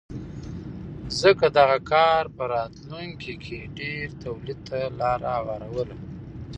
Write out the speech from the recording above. ځکه دغه کار په راتلونکې کې ډېر تولید ته لار هواروله